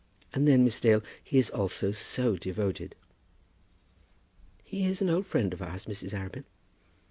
And then, Miss Dale, he is also so devoted!" "He is an old friend of ours, Mrs. Arabin."